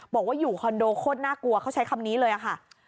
บอกอยู่คอนโดครั้งเดียวก็มีความหัวเค้าใช้คำนี้นะคะ